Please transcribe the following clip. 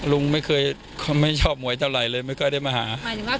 รุ่งไม่เข้าหมวยเท่าไรเลยไม่ค่อยได้มาหา